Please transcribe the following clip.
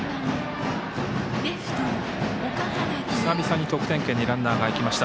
久々に得点圏にランナーが行きました。